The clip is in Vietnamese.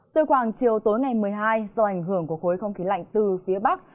từ khoảng chiều tối ngày một mươi hai do ảnh hưởng của khối không khí lạnh từ phía bắc